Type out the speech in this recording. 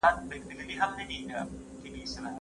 د خوړو مسمومیت د زړه بدوالي او کانګو له لارې پیژندل کیږي.